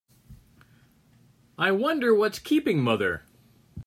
I wonder what's keeping mother?